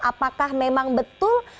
apakah memang betul